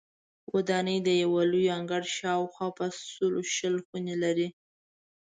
ودانۍ د یو لوی انګړ شاوخوا په سلو شل خونې لري.